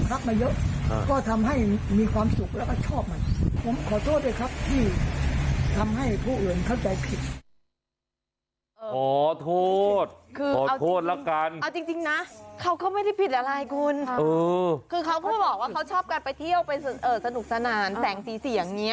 คือเขาก็บอกว่าเขาชอบกันไปเที่ยวไปสนุกสนานแสงสีเสียงอย่างนี้